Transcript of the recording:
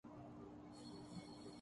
آپ کا smart phone